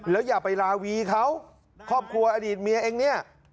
แล้วอย่าไปลาวีเขาครอบครัวอดีตเมียเองเนี่ย